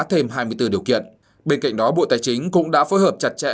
thêm hai mươi bốn điều kiện bên cạnh đó bộ tài chính cũng đã phối hợp chặt chẽ